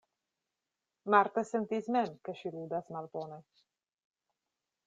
Marta sentis mem, ke ŝi ludas malbone.